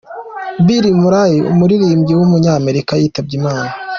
Billy Murray, umuririmbyi w’umunyamerika yitabye Imana.